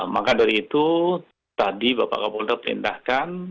maka dari itu tadi bapak kapolter perlindahkan